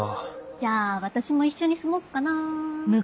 じゃあ私も一緒に住もっかな